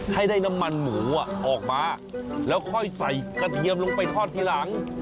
ให้ได้น้ำมันหมูออกมาแล้วค่อยใส่กระเทียมลงไปทอดทีหลัง